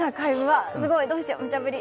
どうしよう、むちゃぶり。